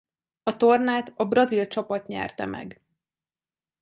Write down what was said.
A tornát a brazil csapat nyerte meg.